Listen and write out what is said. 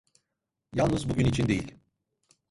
Yalnız bugün için değil…